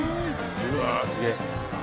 うわすげぇ。